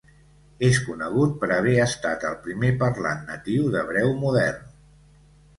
És conegut per haver estat el primer parlant natiu d'hebreu modern.